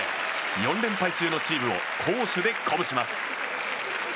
４連敗中のチームを攻守で鼓舞します。